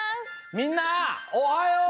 みんなおはよう！